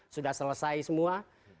sudah selesai semua